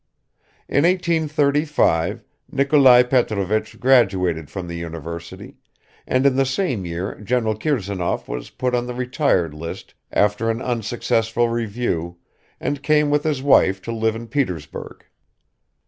In 1835 Nikolai Petrovich graduated from the university, and in the same year General Kirsanov was put on the retired list after an unsuccessful review, and came with his wife to live in Petersburg.